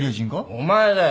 お前だよ！